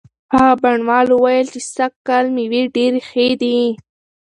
هغه بڼوال وویل چې سږکال مېوې ډېرې ښې دي.